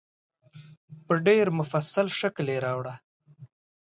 په ډېر مفصل شکل یې راوړه.